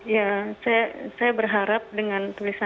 ya saya berharap dengan tulisan